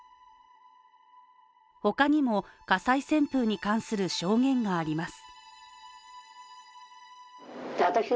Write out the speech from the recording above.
他にも火災旋風に関する証言があります。